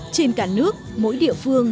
trên cả nước mỗi địa phương